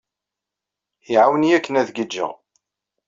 Iɛawen-iyi akken ad gijjeɣ.